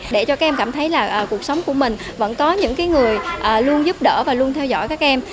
để cho các em cảm thấy là cuộc sống của mình vẫn có những người luôn giúp đỡ và luôn theo dõi các em